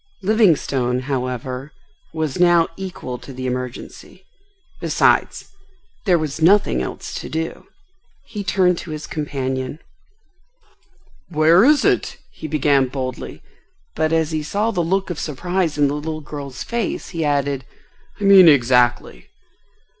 Livingstone, however, was now equal to the emergency. Besides, there was nothing else to do. He turned to his companion. "Where is it?" he began boldly, but as he saw the look of surprise in the little girl's face he added, "I mean—exactly?"